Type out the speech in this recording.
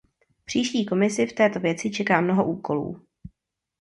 Příští Komisi v této věci čeká mnoho úkolů.